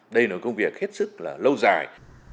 đây là công việc hết sức là lâu dài